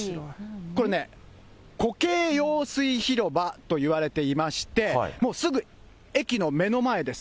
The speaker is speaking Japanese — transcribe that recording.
これね、虎渓用水広場といわれていまして、もう、すぐ駅の目の前です。